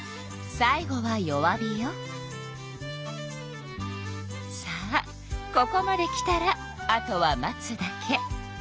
さあここまできたらあとは待つだけ。